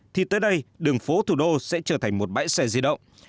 thì tới đây đường phố thủ đô sẽ trở thành một bãi xe di động